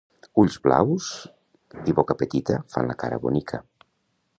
Ulls blaus i boca petita fan la cara bonica.